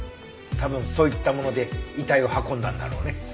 多分そういったもので遺体を運んだんだろうね。